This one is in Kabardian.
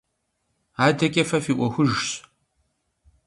АдэкӀэ фэ фи Ӏуэхужщ.